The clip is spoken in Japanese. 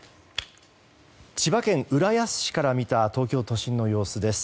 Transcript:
千葉県浦安市から見た東京都心の様子です。